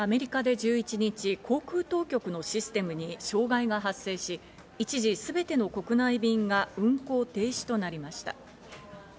アメリカで１１日、航空当局のシステムに障害が発生し、一時すべての国内便が運航停止となりました。